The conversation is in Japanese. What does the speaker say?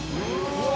うわ！